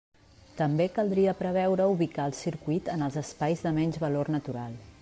També caldria preveure ubicar el circuit en els espais de menys valor natural.